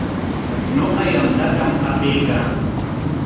Ñuqa yantatam apaykaa.